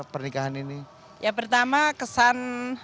pernikahan ini ya pertama kesan